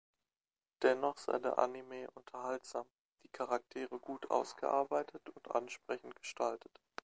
Dennoch sei der Anime unterhaltsam, die Charaktere gut ausgearbeitet und ansprechend gestaltet.